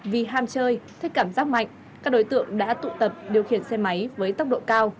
vì ham chơi thích cảm giác mạnh các đối tượng đã tụ tập điều khiển xe máy với tốc độ cao